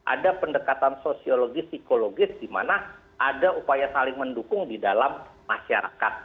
ada pendekatan sosiologis psikologis di mana ada upaya saling mendukung di dalam masyarakat